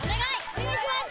お願いします